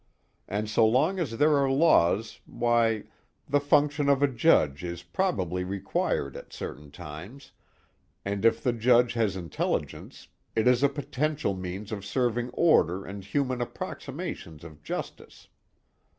And so long as there are laws, why, the function of a judge is probably required at certain times, and if the judge has intelligence it is a potential means of serving order and human approximations of justice.